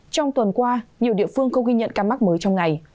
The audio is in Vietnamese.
trong tuần qua nhiều địa phương không ghi nhận ca mắc mới trong ngày